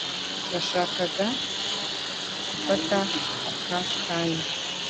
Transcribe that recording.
nashakaga gufata aka kanya